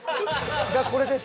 がこれです！